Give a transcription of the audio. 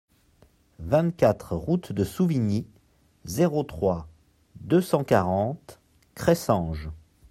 vingt-quatre route de Souvigny, zéro trois, deux cent quarante, Cressanges